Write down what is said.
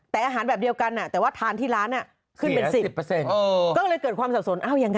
แต่อาหารแบบเดียวกันแต่ว่าทานที่ร้านหลายละสิบกิจก็จำเป็นแสดง